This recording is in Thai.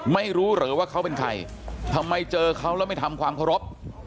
ไม่รู้เหรอว่าเขาเป็นใครทำไมเจอเขาแล้วไม่ทำความเคารพ